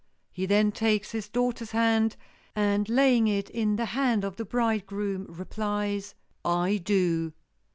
He then takes his daughter's hand, and laying it in the hand of the bridegroom, replies, "I do."